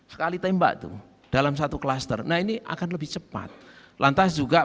sekali tembak tuh dalam satu klaster nah ini akan lebih cepat lantas juga